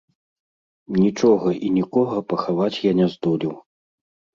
Нічога і нікога пахаваць я не здолеў.